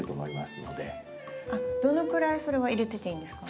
どのくらいそれは入れてていいんですか？